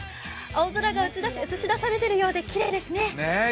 青空が映し出されているようできれいですね。